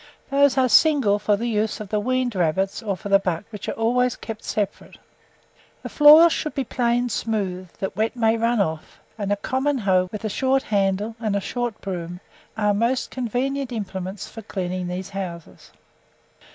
Those are single for the use of the weaned rabbits, or for the bucks, which are always kept separate. The floors should be planed smooth, that wet may run off, and a common hoe, with a short handle, and a short broom, are most convenient implements for cleaning these houses.